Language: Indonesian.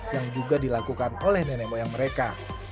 yang juga dilakukan oleh nenek moyang mereka